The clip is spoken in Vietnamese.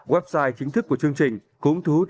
website chính thức của chương trình cũng thu hút